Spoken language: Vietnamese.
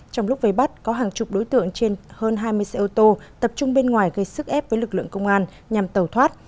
trong lúc vây bắt có hàng chục đối tượng trên hơn hai mươi xe ô tô tập trung bên ngoài gây sức ép với lực lượng công an nhằm tàu thoát